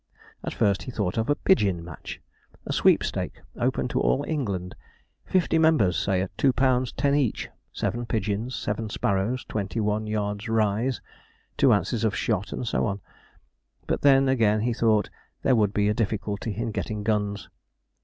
At first he thought of a pigeon match a sweepstake open to all England fifty members say, at two pound ten each, seven pigeons, seven sparrows, twenty one yards rise, two ounces of shot, and so on. But then, again, he thought there would be a difficulty in getting guns.